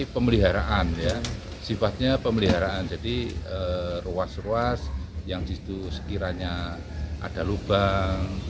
pemeliharaan ya sifatnya pemeliharaan jadi ruas ruas yang disitu sekiranya ada lubang